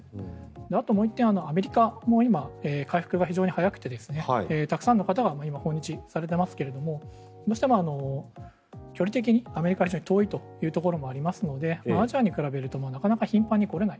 あともう１点アメリカも今、回復が早くてたくさんの方が今、訪日されてますがどうしても距離的にアメリカは非常に遠いところがありますのでアジアに比べるとなかなか頻繁に来れない。